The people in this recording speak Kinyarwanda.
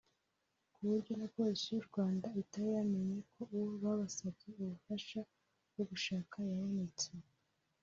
kuburyo na Polisi y’u Rwanda itari yamenye ko uwo babasabye ubufasha bwo gushaka yabonetse